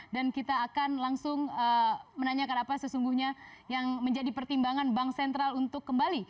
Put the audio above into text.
dan kita akan langsung menanyakan apa sesungguhnya yang menjadi pertimbangan bank sentral untuk kembali